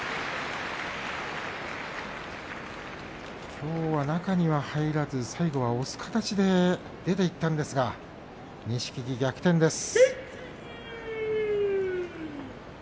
きょうは中には入らず押す形で出ていったんですが錦木、逆転です。